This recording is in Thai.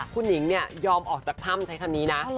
คุณหนิงเนี่ยยอมออกจากถ้ำใช้คำนี้นะ